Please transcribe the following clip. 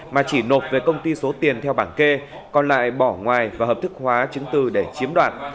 mà chỉ nộp về công ty số tiền theo bảng kê còn lại bỏ ngoài và hợp thức hóa chứng từ để chiếm đoạt